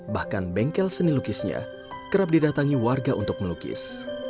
bahkan bengkel seni lukisnya kerap didatangi warga untuk melukis